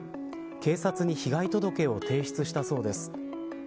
警察に被害届を提出したそうです。